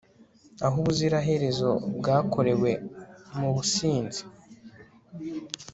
aho ubuziraherezo bwakorewe mubusinzi